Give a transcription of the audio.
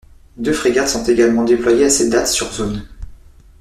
Deux frégates sont également déployées à cette date sur zone.